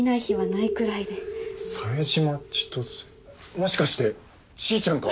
もしかしてちーちゃんか？